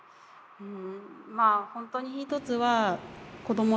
うん。